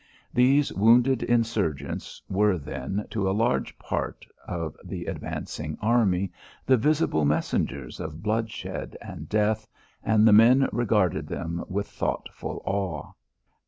These wounded insurgents were, then, to a large part of the advancing army, the visible messengers of bloodshed and death, and the men regarded them with thoughtful awe.